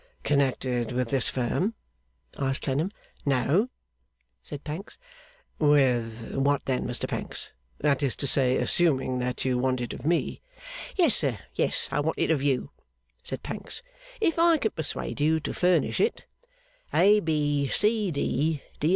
'Connected with this firm?' asked Clennam. 'No,' said Pancks. 'With what then, Mr Pancks? That is to say, assuming that you want it of me.' 'Yes, sir; yes, I want it of you,' said Pancks, 'if I can persuade you to furnish it. A, B, C, D.